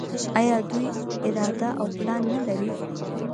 آیا دوی اراده او پلان نلري؟